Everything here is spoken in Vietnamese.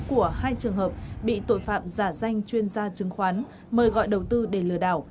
của hai trường hợp bị tội phạm giả danh chuyên gia chứng khoán mời gọi đầu tư để lừa đảo